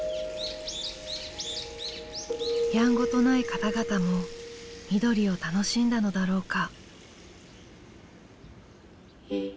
やんごとない方々も緑を楽しんだのだろうか。